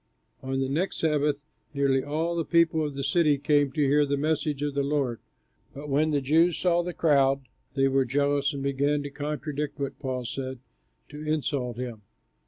On the next Sabbath nearly all the people of the city came to hear the message of the Lord. But when the Jews saw the crowd, they were jealous and began to contradict what Paul said, and to insult him.